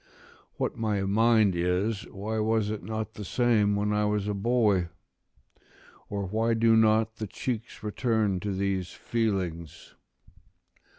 ["What my mind is, why was it not the same, when I was a boy? or why do not the cheeks return to these feelings?"